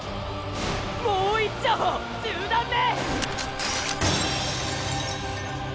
もう一丁１０段目！